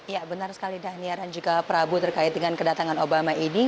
ya benar sekali daniar dan juga prabu terkait dengan kedatangan obama ini